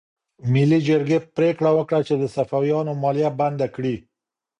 ملي جرګې پریکړه وکړه چې د صفویانو مالیه بنده کړي.